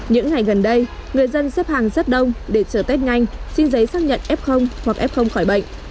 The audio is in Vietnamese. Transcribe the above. những ngày gần đây người dân xếp hàng rất đông để chờ tết nhanh xin giấy xác nhận f hoặc f khỏi bệnh